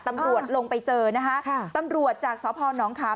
ตำรวจลงไปเจอนะคะตำรวจจากสอบพณธ์น้องคาม